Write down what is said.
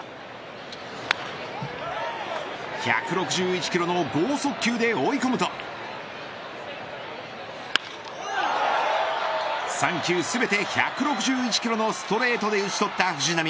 １６１キロの剛速球で追い込むと３球全て１６１キロのストレートで打ちとった藤浪。